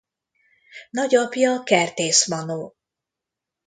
Nagyapja Kertész Manó.